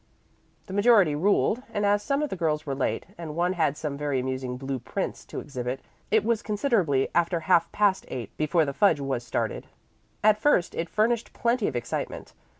The majority ruled, and as some of the girls were late, and one had some very amusing blue prints to exhibit, it was considerably after half past eight before the fudge was started. At first it furnished plenty of excitement.